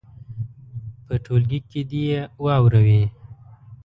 په ټولګي کې دې یې واوروي.